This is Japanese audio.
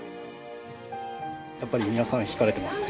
やっぱり皆さん引かれてますね。